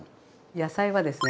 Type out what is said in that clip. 野菜はですね